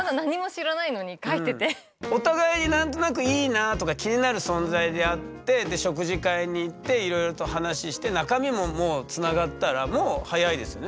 お互いに何となくいいなぁとか気になる存在であって食事会に行っていろいろと話して中身ももうつながったらもう早いですよね